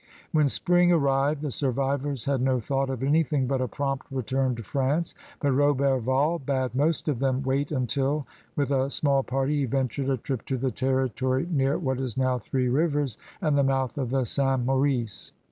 When spring arrived the survivors had no thought of anything but a prompt return to France. But Roberval bade most of them wait until with a small party he ventured a trip to the territory near what is now Three Rivers and the mouth of the St. Maurice.